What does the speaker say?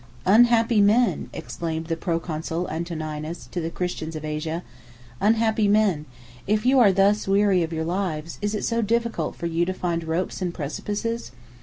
95 "Unhappy men!" exclaimed the proconsul Antoninus to the Christians of Asia; "unhappy men! if you are thus weary of your lives, is it so difficult for you to find ropes and precipices?"